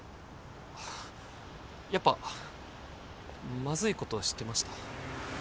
やっぱまずいことしてました？